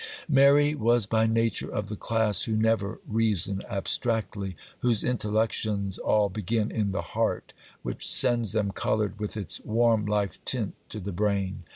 Mary was by nature of the class who never reason abstractly, whose intellections all begin in the heart, which sends them coloured with its warm life tint to the brain.